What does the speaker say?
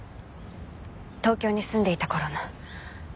東京に住んでいた頃の。